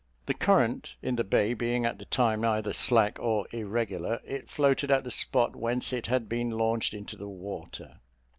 The current in the bay being at the time either slack or irregular, it floated at the spot whence it had been launched into the water.